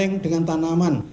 lereng dengan tanaman